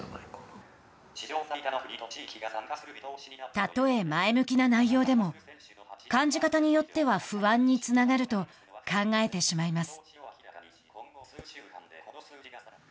たとえ前向きな内容でも感じ方によっては不安につながると考えてしまいます。